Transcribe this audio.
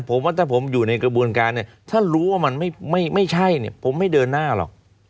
ผมว่าถ้าผมอยู่ในกระบวนการเนี่ยถ้ารู้ว่ามันไม่ใช่เนี่ยผมไม่เดินหน้าหรอก